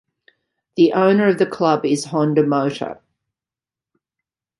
The owner of the club is Honda Motor.